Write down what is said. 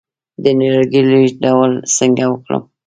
د نیالګي لیږدول څنګه وکړم؟